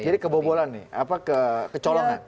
jadi kebobolan nih apa kecolongan